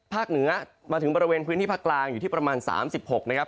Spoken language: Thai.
เหนือมาถึงบริเวณพื้นที่ภาคกลางอยู่ที่ประมาณ๓๖นะครับ